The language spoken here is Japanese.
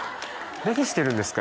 何してるんですか？